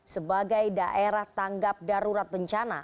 sebagai daerah tanggap darurat bencana